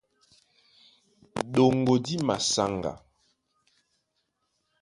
Ɗoŋgo dí masáŋga.